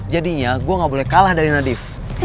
jadinya gue gak boleh kalah dari nadif